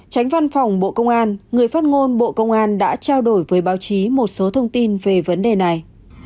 tránh văn phòng bộ công an người phát ngôn bộ công an đã trao đổi với báo chí một số thông tin về vấn đề này